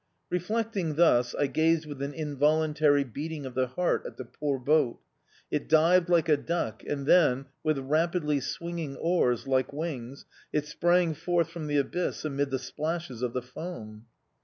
Reflecting thus, I gazed with an involuntary beating of the heart at the poor boat. It dived like a duck, and then, with rapidly swinging oars like wings it sprang forth from the abyss amid the splashes of the foam.